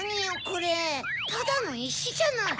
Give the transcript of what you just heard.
これただのいしじゃない。